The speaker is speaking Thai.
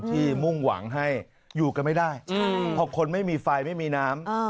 มุ่งหวังให้อยู่กันไม่ได้เพราะคนไม่มีไฟไม่มีน้ำ